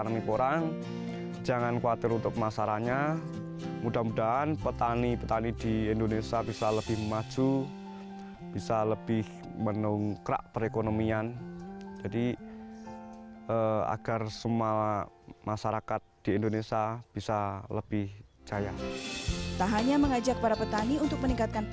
baik pak amiruddin khaji terima kasih banyak